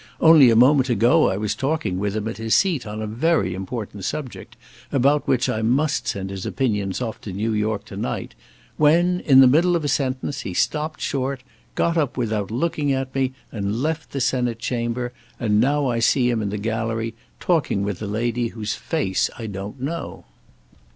Only a moment ago I was talking with him at his seat on a very important subject, about which I must send his opinions off to New York to night, when, in the middle of a sentence, he stopped short, got up without looking at me, and left the Senate Chamber, and now I see him in the gallery talking with a lady whose face I don't know."